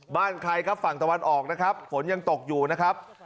บ้านใครครับฝั่งตะวันออกนะครับฝนยังตกอยู่นะครับ